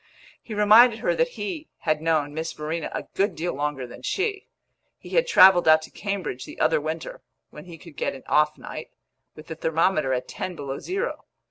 He reminded her that he had known Miss Verena a good deal longer than she; he had travelled out to Cambridge the other winter (when he could get an off night), with the thermometer at ten below zero.